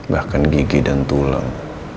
bahkan gigi dan tulang